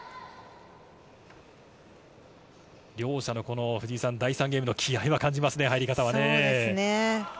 両者の第３ゲームへの気合いを感じますね。